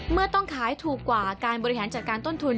เมื่อต้องขายถูกกว่าการบริหารจัดการต้นทุน